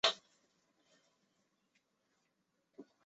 西萨克梅多克。